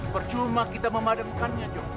bercuma kita memadamkannya jok